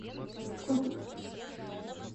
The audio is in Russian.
— Кто тут?